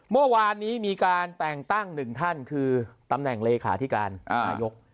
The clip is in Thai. เมื่อวานนี้มีการแต่งตั้งหนึ่งท่านคือตำแหน่งเลขาธิการนายก